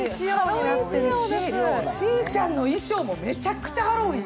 しーちゃんの衣装もめちゃくちゃハロウィーン。